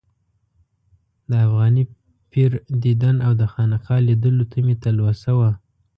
د افغاني پیر دیدن او د خانقا لیدلو ته مې تلوسه وه.